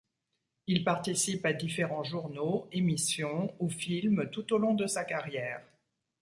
Il participe à différents journaux, émissions ou films tout au long de sa carrière.